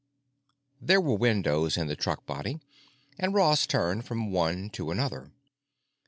There were windows in the truck body and Ross turned from one to another.